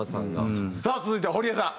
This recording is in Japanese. さあ続いてはホリエさん